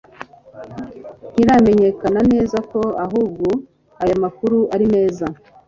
ntiiramenyekana neza ko ahubwo aya makuru ari meza